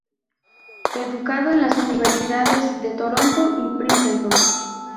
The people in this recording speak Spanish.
Educado en las Universidades de Toronto y Princeton.